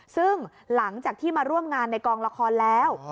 ซึ่งหลังจากที่มาร่วมงานในกองละครแล้ว